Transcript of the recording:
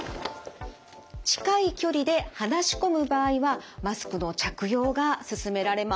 近い距離で話し込む場合はマスクの着用がすすめられます。